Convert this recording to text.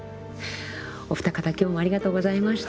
お二方今日もありがとうございました。